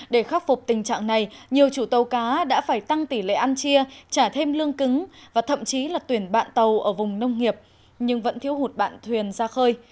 để khắc phục tình trạng này nhiều chủ tàu cá đã phải tăng tỷ lệ ăn chia trả thêm lương cứng và thậm chí là tuyển bạn tàu ở vùng nông nghiệp nhưng vẫn thiếu hụt bạn thuyền ra khơi